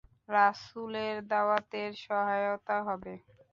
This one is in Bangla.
রাসূলের দাওয়াতের সহায়তা হবে।